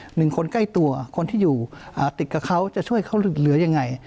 หนึ่งคนใกล้ตัวคนที่อยู่ติดกับเขาจะช่วยเขาเหลือยังไง